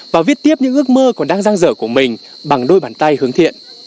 và viết tiếp những ước mơ còn đang răng rở của mình bằng đôi bàn tay hướng thiện